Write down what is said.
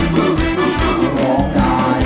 ร้องได้ให้หลาน